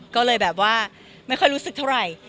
ก็เลยแบบว่าไม่ค่อยรู้สึกเท่าไหร่